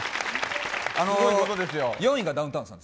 ４位がダウンタウンさんです。